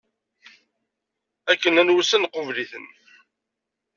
Akken llan wussan nqubel-iten.